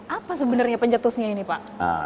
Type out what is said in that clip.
apa sebenarnya pencetusnya ini pak